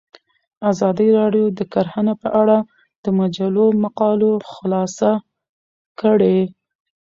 ازادي راډیو د کرهنه په اړه د مجلو مقالو خلاصه کړې.